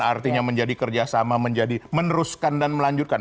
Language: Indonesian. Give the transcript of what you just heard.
artinya menjadi kerjasama menjadi meneruskan dan melanjutkan